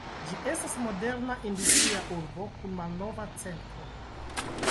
Ĝi estas moderna industria urbo kun malnova centro.